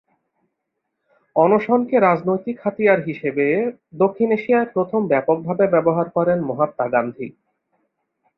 অনশনকে রাজনৈতিক হাতিয়ার হিসেবে দক্ষিণ এশিয়ায় প্রথম ব্যাপকভাবে ব্যবহার করেন মহাত্মা গান্ধী।